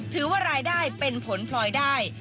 ถือว่ารายได้เป็นผลพลอยได้